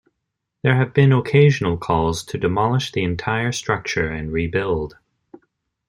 There have been occasional calls to demolish the entire structure and rebuild.